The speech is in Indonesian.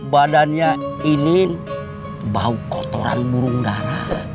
badannya ini bau kotoran burung darah